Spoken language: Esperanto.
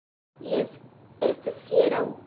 Jes... estis hieraŭ...